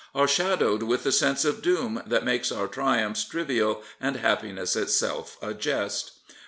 — are shadowed with the sense of doom that makes our triumphs trivial and happiness itself a jest.